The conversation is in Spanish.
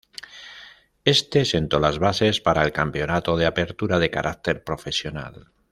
Este sentó las bases para el Campeonato de Apertura de carácter profesional.